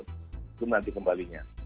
itu nanti kembalinya